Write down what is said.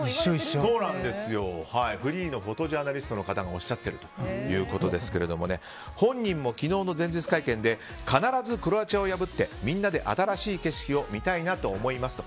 フリーのフォトジャーナリストの方がおっしゃっているということですが本人も昨日の前日会見で必ずクロアチアを破ってみんなで新しい景色を見たいなと思いますと。